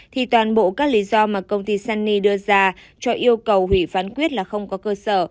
thì toàn bộ các lý do mà công ty sunny đưa ra cho yêu cầu hủy phán quyết là không có cơ sở